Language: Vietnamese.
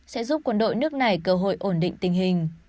sẽ giúp quân đội nước này cơ hội ổn định tình hình